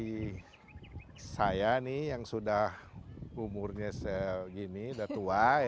pembicara empat puluh empat saya nih yang sudah umurnya segini sudah tua ya